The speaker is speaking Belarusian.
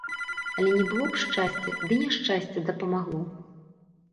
Але не было б шчасця, ды няшчасце дапамагло.